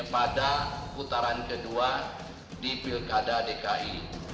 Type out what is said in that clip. pada putaran kedua di pilkada dki